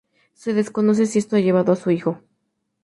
Se desconoce si esto ha llevado a su hijo.